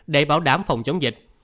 để bảo đảm phòng chống dịch